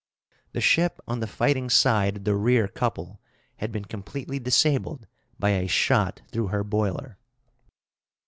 The ship on the fighting side of the rear couple had been completely disabled by a shot through her boiler.